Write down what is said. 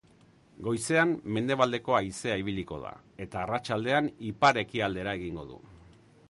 Goizean mendebaldeko haizea ibiliko da, eta arratsaldean ipar-ekialdera egingo du.